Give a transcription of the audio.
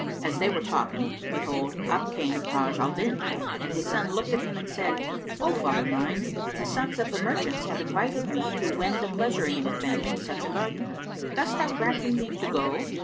As they were talking, behold, up came Taj al Din, and his son looked at him and said, "O father mine, the sons of the merchants have invited me to wend a pleasuring with them in such a garden. Dost thou grant me leave to go?"